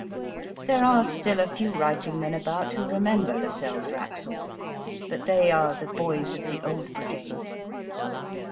There are still a few writing men about who remember Lascelles Wraxall, but they are the boys of the old brigade.